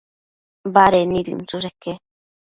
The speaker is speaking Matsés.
Baded nid inchësheque